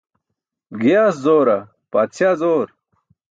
Giyaas zoora, paatśaa zoor?